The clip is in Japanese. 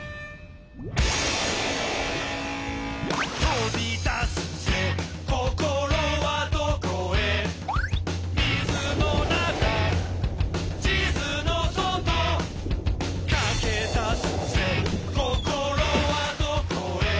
「飛び出すぜ心はどこへ」「水の中地図の外」「駆け出すぜ心はどこへ」